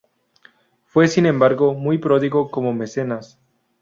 Fue sin embargo, muy pródigo como mecenas.